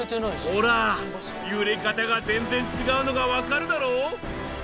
ほら揺れ方が全然違うのがわかるだろう？